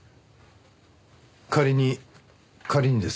仮に仮にですよ。